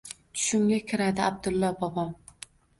Tushimga kiradi Abdullo bobom.